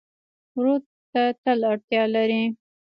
ورور ته تل اړتیا لرې.